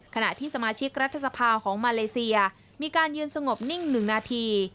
ขณะที่สมาชิกรัฐสภาของมาเลเซียมีการยืนสงบนิ่ง๑นาที